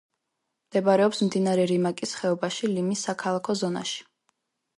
მდებარეობს მდინარე რიმაკის ხეობაში, ლიმის საქალაქო ზონაში.